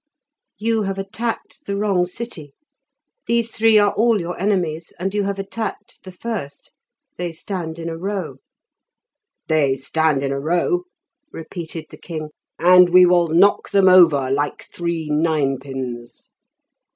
"You have attacked the wrong city; these three are all your enemies, and you have attacked the first. They stand in a row." "They stand in a row," repeated the king; "and we will knock them over like three nine pins."